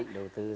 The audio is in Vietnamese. định đầu tư